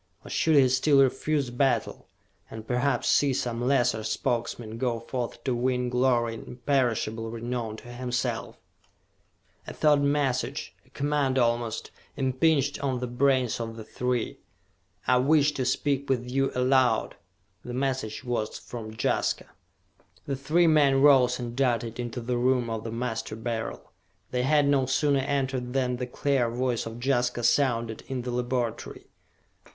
Or should he still refuse battle and perhaps see some lesser Spokesman go forth to win glory and imperishable renown to himself? A thought message, a command almost, impinged on the brains of the three. "I wish to speak with you aloud!" The message was from Jaska! The three men rose and darted into the room of the Master Beryl. They had no sooner entered than the clear voice of Jaska sounded in the laboratory.